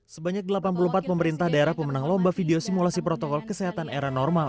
sebanyak delapan puluh empat pemerintah daerah pemenang lomba video simulasi protokol kesehatan era normal